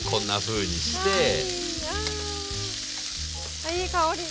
あっいい香り！